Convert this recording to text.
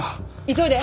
急いで。